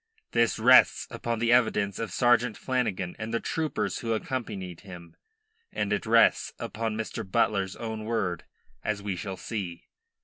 This rests upon the evidence of Sergeant Flanagan and the troopers who accompanied him, and it rests upon Mr. Butler's own word, as we shall see.